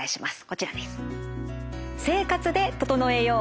こちらです。